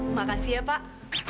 makasih ya pak